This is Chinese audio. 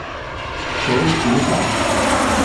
求其上